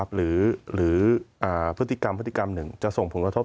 หรือพฤติกรรม๑จะส่งผลกระทบ